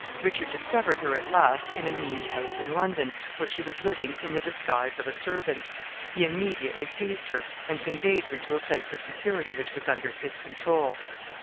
Richard discovered her at last in a mean house in London, where she was living in the disguise of a servant. He immediately seized her, and conveyed her to a place of security which was under his control.